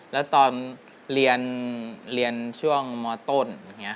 แล้วตอนเรียนช่วงมต้น